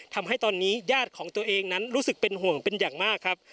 ทำให้ตอนนี้ญาติของตัวเองนั้นรู้สึกเป็นห่วงเป็นอย่างมากครับ